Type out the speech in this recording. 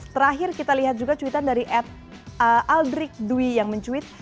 terakhir kita lihat juga cuitan dari ad aldrik dwi yang mencuit